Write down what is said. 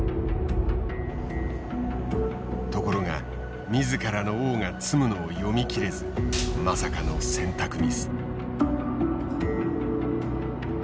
ところが自らの王が詰むのを読み切れずまさかの選択ミス。